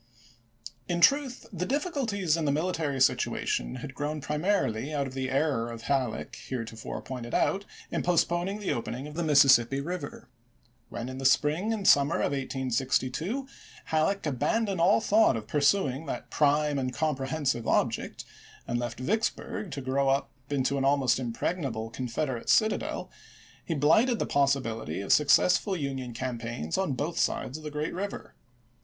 In truth the difficulties in the military situation had grown primarily out of the error of Halleck heretofore pointed out in postponing the opening of the Mississippi River. When, in the spring and summer of 1862, Halleck abandoned all thought of pursuing that prime and comprehensive object, and left Vicksburg to grow up into an almost impreg nable Confederate citadel, he blighted the possibility of successful Union campaigns on both sides of the great river.